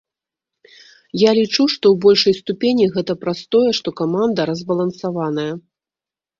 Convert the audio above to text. Я лічу, што ў большай ступені гэта праз тое, што каманда разбалансаваная.